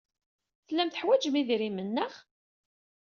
Tellam teḥwajem idrimen, naɣ?